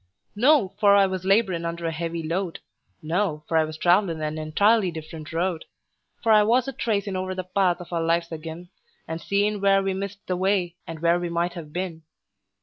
No for I was laborin' under a heavy load; No for I was travelin' an entirely different road; For I was a tracin' over the path of our lives ag'in, And seein' where we missed the way, and where we might have been.